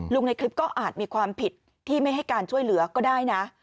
ในคลิปก็อาจมีความผิดที่ไม่ให้การช่วยเหลือก็ได้นะ